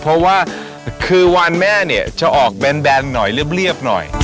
เพราะว่าคือวานแม่เนี่ยจะออกแบนหน่อยเริ่มรีบ